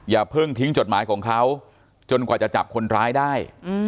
อย่าเพิ่งทิ้งจดหมายของเขาจนกว่าจะจับคนร้ายได้